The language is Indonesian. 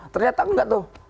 ternyata nggak tuh